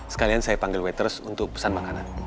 sekalian saya panggil waters untuk pesan makanan